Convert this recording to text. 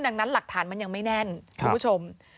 ดังนั้นหลักฐานมันยังไม่แน่นคุณผู้ชม